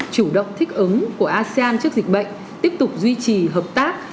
chủ động thích ứng của asean trước dịch bệnh tiếp tục duy trì hợp tác